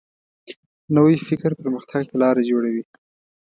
نوی فکر پرمختګ ته لاره جوړوي